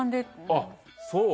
あっそう？